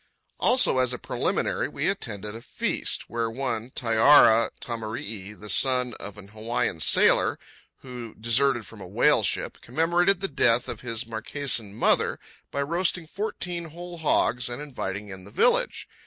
Also, as a preliminary, we attended a feast, where one Taiara Tamarii, the son of an Hawaiian sailor who deserted from a whaleship, commemorated the death of his Marquesan mother by roasting fourteen whole hogs and inviting in the village.